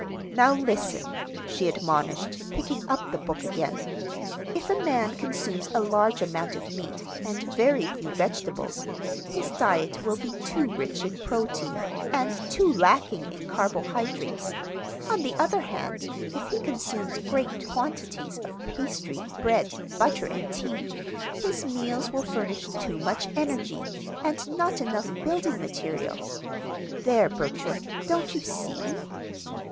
Now listen," she admonished, picking up the book again. "'If a man consumes a large amount of meat, and very few vegetables, his diet will be too rich in protein, and too lacking in carbohydrates. On the other hand, if he consumes great quantities of pastry, bread, butter, and tea, his meals will furnish too much energy, and not enough building material.' There, Bertram, don't you see?"